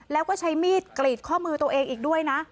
แล้วก็ใช้มีดกรีดข้อมือตัวเองอีกด้วยนะ